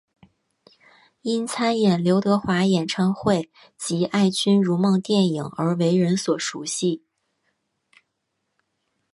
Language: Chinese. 因参演刘德华演唱会及爱君如梦电影而为人所熟悉。